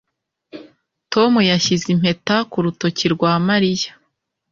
Tom yashyize impeta ku rutoki rwa Mariya